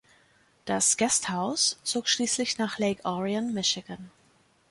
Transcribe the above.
Das Guest House zog schließlich nach Lake Orion, Michigan.